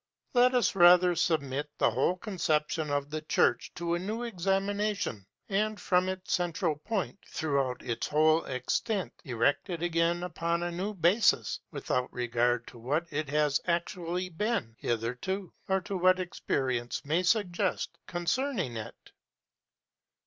Let us rather submit the whole conception of the church to a new examination, and from its central point, throughout its whole extent, erect it again upon a new basis, without regard to what it has actually been hitherto, or to what experience may suggest concerning it.